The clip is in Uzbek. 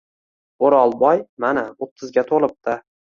O’rolboy mana, o‘ttizga to‘libdi.